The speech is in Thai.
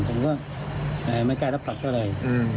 ผมก็ไม่กล้ารับผลักเท่าไหร่